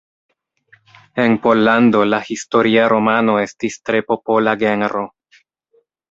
En Pollando la historia romano estis tre popola genro.